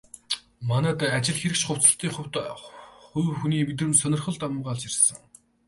Манайд ажил хэрэгч хувцаслалтын хувьд хувь хүний мэдрэмж, сонирхол давамгайлж ирсэн.